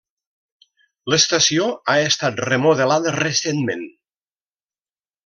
L'estació ha estat remodelada recentment.